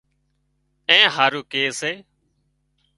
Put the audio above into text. اين هارو ڪي سي